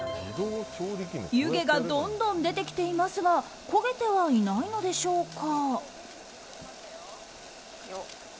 湯気がどんどん出てきていますが焦げてはいないのでしょうか。